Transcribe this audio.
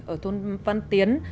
ở thôn văn tiến